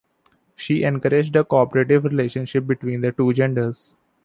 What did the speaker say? She encouraged a cooperative relationship between the two genders.